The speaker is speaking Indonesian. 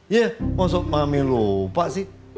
ya maksud mami lupa sih